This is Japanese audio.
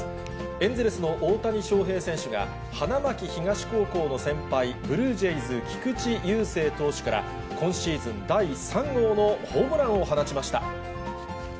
エンゼルスの大谷翔平選手が、花巻東高校の先輩、ブルージェイズ、菊池雄星投手から今シーズン第３号のホームランを放ちました。